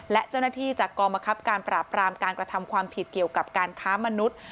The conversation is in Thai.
และเจ้าหน้าที่จากกองบังคับการปราบปรามการกระทำความผิดเกี่ยวกับการค้ามนุษย์